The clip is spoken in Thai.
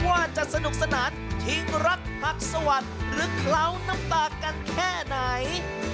ว่าจะสนุกสนานทิ้งรักหักสวัสดิ์หรือเคล้าน้ำตากันแค่ไหน